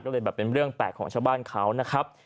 ก็เลยแบบเป็นเรื่องแปลกของชาวบ้านเขานะครับ